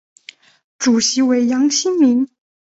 主席为杨新民。